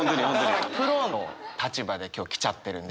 プロの立場で今日来ちゃってるんですけど。